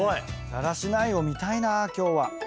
だらしないを見たいな今日は。